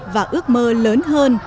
và ước mơ lớn hơn